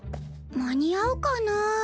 間に合うかな？